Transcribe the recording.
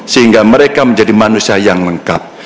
sehingga mereka menjadi manusia yang lengkap